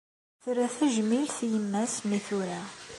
Terra tajmilt i yemma-s mi tura